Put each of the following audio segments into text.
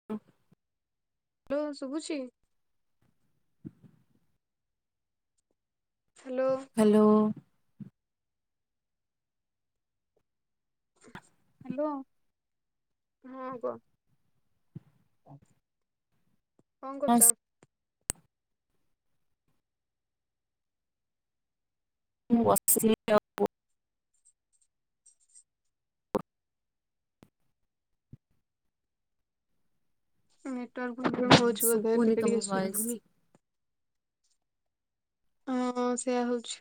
[inaudible] Hello ଶୁଭୁଚି? Hello. Hello. Hello ହଁ କ କଣ ହଁ କରୁଚ? ମୁଁ ବସିିଲି [unintelligible] ନେଟୱାର୍କ ପ୍ରୋବ୍ଲେମ୍ ହଉଛି ବଧେ ଶୁଭୁନି ଟିକେ ତମ ଟିକେ ଭଏସ୍। ସୁବୁନି। ହଁ ସେଇୟା ହଉଛି।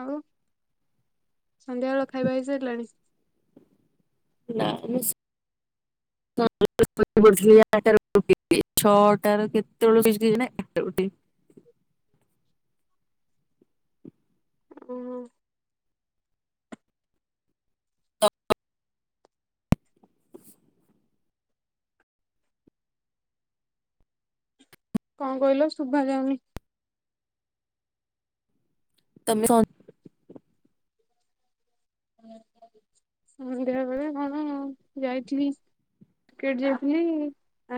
ଆଉ ସନ୍ଧ୍ୟାବେଳ ଖାଇବା ହେଇସାରିଲାଣି? [unintelligible] ଛଅଟା ର କେତେବେଳ [unintelligible] ଉହୁଁ କଣ କହିଲ ଶୁଭା ଯାଉନି ତମେ କ [unintelligible] କଣ ଯାଇଥିଲି। ଟିକେଟ ଯାଇଥିଲି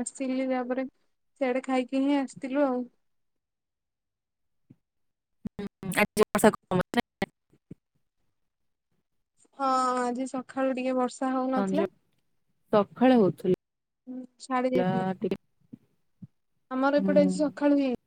ଆସିଲି ତାପରେ ସେଆଡେ ଖାଇକି ହିଁ ଆସିଥିଲୁ ଆଉ ଆଜି ବର୍ଷା କ [unintelligible] ହଁ ଆଜି ସକାଳୁ ଟିକେ ବର୍ଷା ହଉନଥିଲା ସଞ୍ଜ ସକାଳେ ହଉଥିଲା। ହୁଁ ଛାଡି ଯାଇଥିଲା। ଟିକେ ଆମର ଏପଟେ ହୁଁ। ସକାଳୁ ହେଇ